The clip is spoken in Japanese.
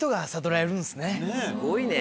すごいね。